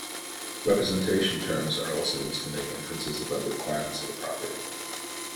Representation Terms are also used to make inferences about the requirements of a property.